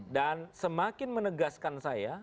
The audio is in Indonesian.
dan semakin menegaskan saya